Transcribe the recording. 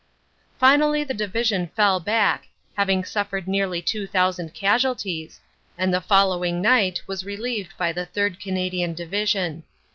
Finally the Division fell back, having suffered nearly two thousand casualties, and the following night was relieved by the 3rd. Canadian Division.